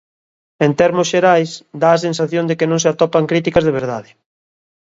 En termos xerais, dá a sensación de que non se atopan críticas de verdade.